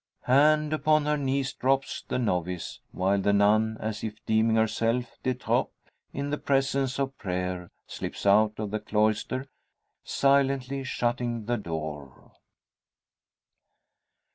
And upon her knees drops the novice, while the nun as if deeming herself de trop in the presence of prayer, slips out of the cloister, silently shutting the door.